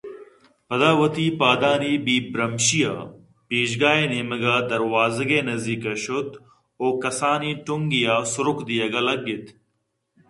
پدا وتی پادانی بے برٛمشی ءَ پیژگاہے نیمگ ءَ دروازگ ءِ نزّیکءَ شت ءُکسانیں ٹنگ ءَ سُرک دیگ ءَ لگ اِت